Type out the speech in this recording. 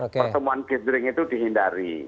pertemuan gizring itu dihindari